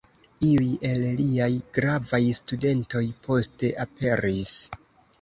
Iuj el liaj gravaj studentoj poste aperis.